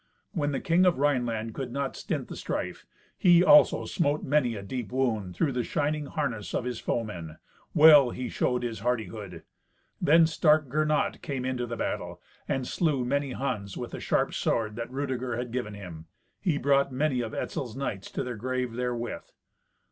When the King of Rhineland could not stint the strife, he, also, smote many a deep wound through the shining harness of his foemen. Well he showed his hardihood. Then stark Gernot came into the battle, and slew many Huns with the sharp sword that Rudeger had given him. He brought many of Etzel's knights to their graves therewith.